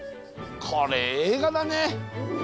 これ映画だね。